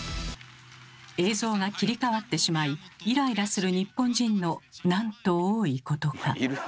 映像が切り替わってしまいイライラする日本人のなんと多いことか。